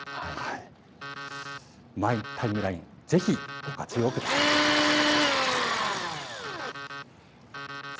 マイ・タイムライン、ぜひご活用ください。